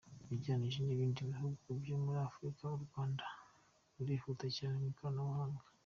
Ugereranyije n’ibindi bihugu byo muri Afurika, u Rwanda rurihuta cyane mu ikoranabuhanga.